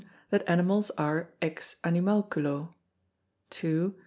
That Animals are ex Animalculo. 2.